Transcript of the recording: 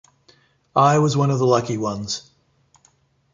I was one of the lucky ones.